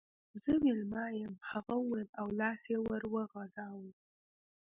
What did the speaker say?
زه ویلما یم هغې وویل او لاس یې ور وغزاوه